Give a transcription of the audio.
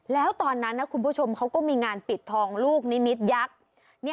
แล้วตอนนั้นนะคุณผู้ชมเขาก็มีงานปิดทองลูกนิมิตยักษ์